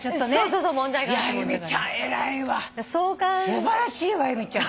素晴らしいわ由美ちゃん。